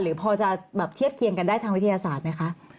พอจะแบบเทียบเคียงกันได้ทางวิทยาศาสตร์ไหมคะ